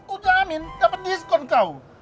udah amin dapet diskon kau